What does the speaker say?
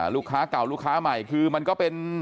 ลูกค้าเก่าลูกค้าใหม่คือมันก็เป็น